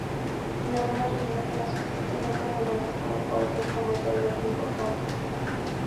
En algunas regiones son lo suficientemente abundantes como para ser comercialmente importantes.